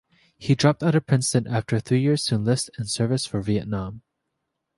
He dropped out of Princeton after three years to enlist for service in Vietnam.